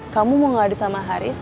kamu mau ngadu sama haris